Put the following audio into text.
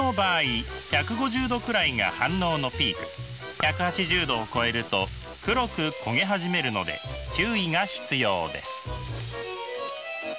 １８０℃を超えると黒く焦げ始めるので注意が必要です。